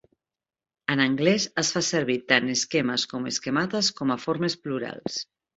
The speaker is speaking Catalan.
En anglès es fa servir tant schemas com schematas com a formes plurals.